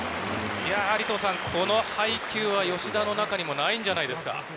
いやぁ、この吉田の中にもないんじゃないですか。